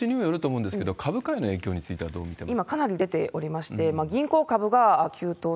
あと、業種にもよるかと思うんですけれども、株価への影響についてはどう見てます？